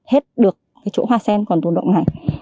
hết được cái chỗ hoa sen còn tồn động này